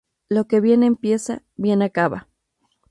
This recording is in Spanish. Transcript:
Lo que bien empieza, bien acaba